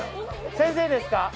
先生です。